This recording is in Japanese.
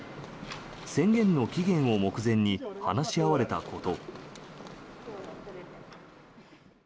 宣言の期限を目前に話し合われたこと。